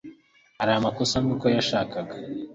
ari amakosa ni uko yashakaga